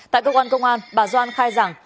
tại cơ quan công an bà doan khai rằng